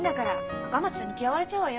赤松さんに嫌われちゃうわよ。